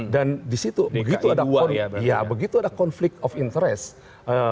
dan di situ begitu ada konflik of interest